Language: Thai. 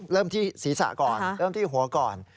เริ่มที่ศีรษะก่อนเริ่มที่หัวก่อน